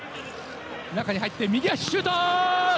中に入って右足シュート！